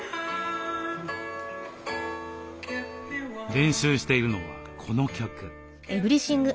練習しているのはこの曲。